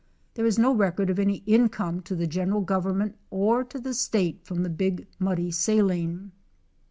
There is no record of any income to the general government or to the State from the Big Muddy saline.